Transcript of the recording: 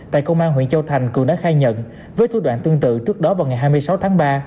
tại công an huyện châu thành cường đã khai nhận với thủ đoạn tương tự trước đó vào ngày hai mươi sáu tháng ba